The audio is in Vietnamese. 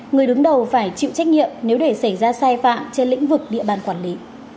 người đứng đầu phải chịu trách nhiệm nếu để xảy ra sai phạm trên lĩnh vực địa bàn quản lý